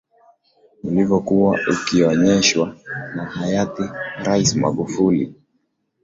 uliokuwa ukionyeshwa na hayati raisi Magufuli